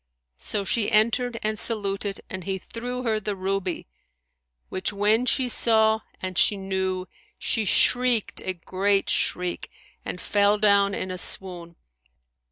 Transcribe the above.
So she entered and saluted, and he threw her the ruby, which when she saw and she knew, she shrieked a great shriek and fell down in a swoon.